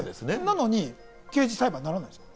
なのに刑事裁判にならないんですか？